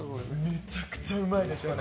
めちゃくちゃうまいです。